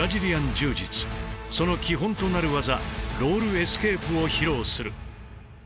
その基本となる技「ロールエスケープ」を披露する。